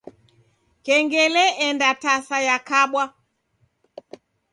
Kengele endatasa yakabwa.